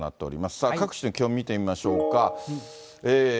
さあ、各地の気温を見てみましょうか。